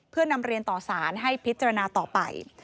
เพื่อนำเรียนต่อสารให้พิจารณาต่อไป